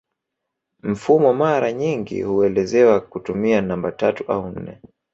Mfumo mara nyingi huelezewa kutumia namba tatu au nne